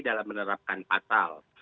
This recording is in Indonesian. dalam menerapkan pasal